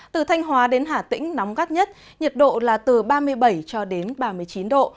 từ thanh hóa đến hà tĩnh nóng gắt nhất nhiệt độ là từ ba mươi bảy cho đến ba mươi chín độ